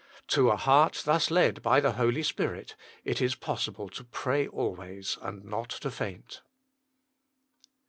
To a heart thus led by the Holy Spirit, it is possible to pray always and not to faint.